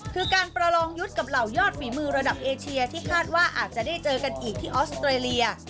คือการประลองยุทธ์กับเหล่ายอดฝีมือระดับเอเชียที่คาดว่าอาจจะได้เจอกันอีกที่ออสเตรเลีย